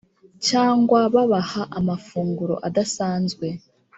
cyangwa babaha amafunguro adasanzwe